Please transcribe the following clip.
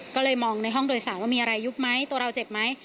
ก็เลยมองในห้องโดยสารว่ามีอะไรยุบไหมตัวเราเจ็บไหม